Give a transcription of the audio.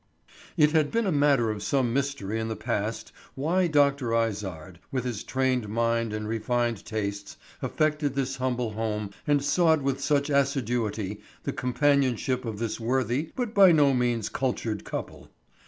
It had been a matter of some mystery in the past why Dr. Izard, with his trained mind and refined tastes, affected this humble home and sought with such assiduity the companionship of this worthy but by no means cultured couple.